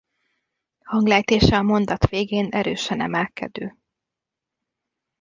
Hanglejtése a mondat végén erősen emelkedő.